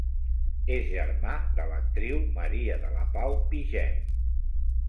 És germà de l'actriu Maria de la Pau Pigem.